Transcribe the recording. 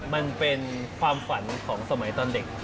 มันเป็นความฝันของสมัยตอนเด็ก